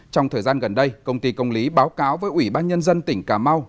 trong thời gian gần đây công ty công lý báo cáo với ủy ban nhân dân tỉnh cà mau